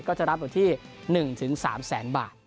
ก็จะรับอยู่ที่๑๓แสนบาท